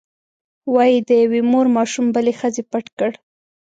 وایي د یوې مور ماشوم بلې ښځې پټ کړ.